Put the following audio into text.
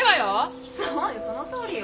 そうよそのとおりよ！